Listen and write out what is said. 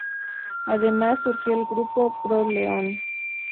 Además, surgió el Grupo "pro León".